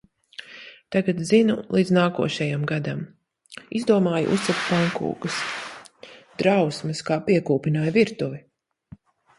Tagad zinu, līdz nākošajam gadam. Izdomāju uzcept pankūkas. Drausmas, kā piekūpināju virtuvi.